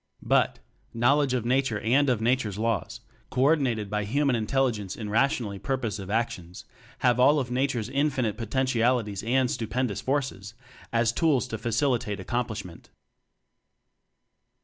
But, knowledge of Nature and of Nature's Laws co ordinated by Hu man Intelligence in rationally purpos ive actions, have all of Nature's in finite potentialities and stupendous forces as tools to facilitate accom plishment.